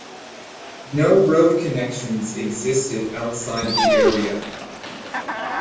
No road connections existed outside of the area.